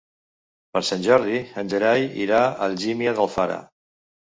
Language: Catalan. Per Sant Jordi en Gerai irà a Algímia d'Alfara.